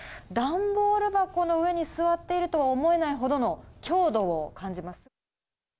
段ボール箱の上に座っているとは思えないほどの強度を感じます。